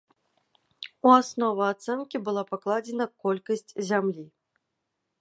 У аснову ацэнкі была пакладзена колькасць зямлі.